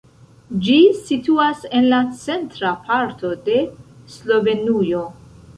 Ĝi situas en la centra parto de Slovenujo.